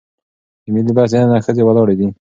د ملي بس دننه ښځې ولاړې دي.